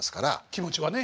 気持ちはね。